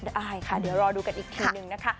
ได้ค่ะเดี๋ยวรอดูกันอีกทีนึงนะคะ